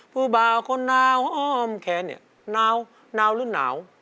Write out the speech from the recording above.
ผู้เบาคนหนาวอ้อมแขนเนี่ยหนาวหนาวหรือหนาว